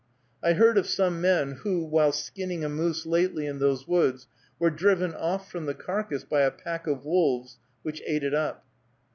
I heard of some men who, while skinning a moose lately in those woods, were driven off from the carcass by a pack of wolves, which ate it up.